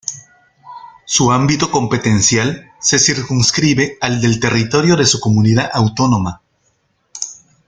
Su ámbito competencial se circunscribe al del territorio de su comunidad autónoma.